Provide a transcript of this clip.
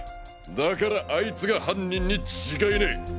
だからあいつが犯人に違いねえ！